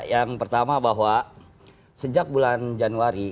yang pertama bahwa sejak bulan januari